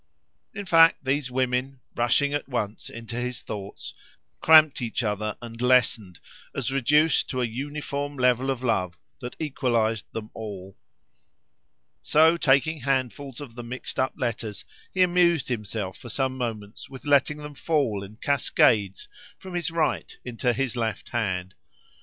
In fact, these women, rushing at once into his thoughts, cramped each other and lessened, as reduced to a uniform level of love that equalised them all. So taking handfuls of the mixed up letters, he amused himself for some moments with letting them fall in cascades from his right into his left hand.